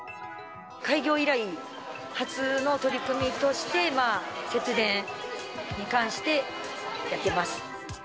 開業以来、初の取り組みとして、節電に関してやってます。